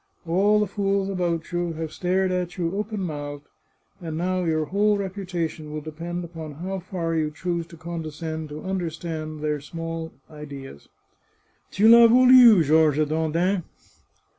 All the fools about you have stared at you open mouthed, and now your whole repu tation will depend upon how far you choose to condescend to understand their small ideas —* Tu I'as voulu, Georges Dandin!